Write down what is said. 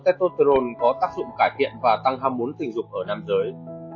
tetoterone có tác dụng cải thiện và tăng ham muốn tình dục ở nam giới